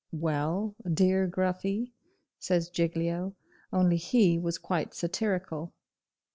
'Well, dear Gruffy,' says Giglio, only HE was quite satirical.